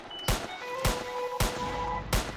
څېړنه باید په خپلواک ډول ترسره سي.